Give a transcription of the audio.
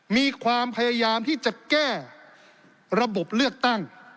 มีความพยายามที่จะแก้ระบบเลือกตั้ง